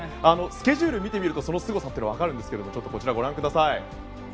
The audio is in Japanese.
スケジュールを見てみるとそのすごさが分かるんですけどこちらをご覧ください。